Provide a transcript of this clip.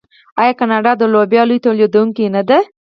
آیا کاناډا د لوبیا لوی تولیدونکی نه دی؟